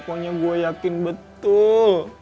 pokoknya gua yakin betul